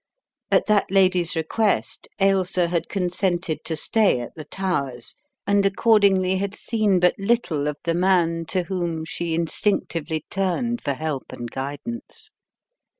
At that lady's request, Ailsa had consented to stay at the Towers, and accordingly had seen but little of the man to whom she instinctively turned for help and guidance.